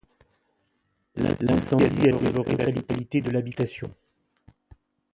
L'incendie a dévoré la totalité de l'habitation.